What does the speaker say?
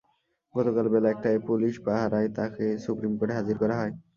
গতকাল বেলা একটায় পুলিশ পাহারায় তাঁকে সুপ্রিম কোর্টে হাজির করা হয়।